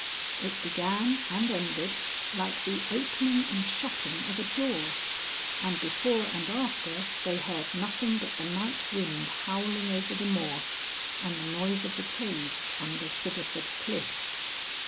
It began and ended like the opening and shutting of a door, and before and after they heard nothing but the night wind howling over the moor and the noise of the caves under Sidderford cliff.